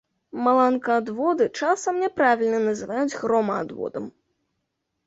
Маланкаадводы часам няправільна называюць громаадводам.